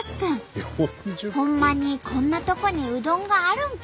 ほんまにこんなとこにうどんがあるんか？